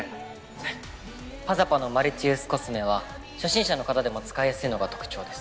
はい「ｐａｚａｐａ」のマルチユースコスメは初心者の方でも使いやすいのが特徴です。